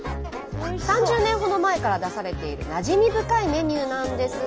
３０年ほど前から出されているなじみ深いメニューなんですが。